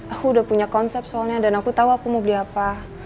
aku udah punya konsep soalnya dan aku tahu aku mau beli apa